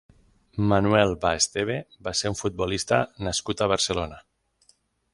Manuel Va Esteve va ser un futbolista nascut a Barcelona.